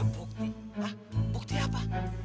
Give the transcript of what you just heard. bukti hah bukti apa